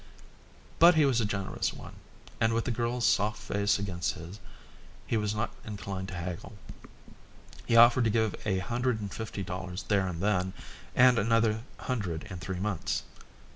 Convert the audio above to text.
But he was a generous one, and with the girl's soft face against his, he was not inclined to haggle. He offered to give a hundred and fifty dollars there and then and another hundred in three months.